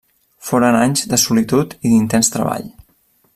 Foren anys de solitud i d'intens treball.